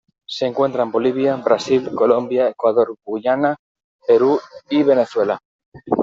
Se encuentra en Bolivia, Brasil, Colombia, Ecuador, Guyana, Perú, y Venezuela.